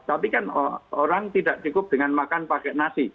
tapi kan orang tidak cukup dengan makan pakai nasi